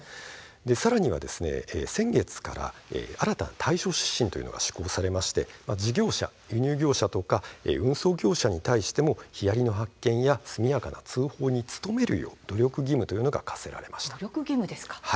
さらに、先月から新たな対処指針が施行されて事業者輸入業者や運送事業者に対してもヒアリの発見や速やかな通報に努めるよう努力義務が課せられたんです。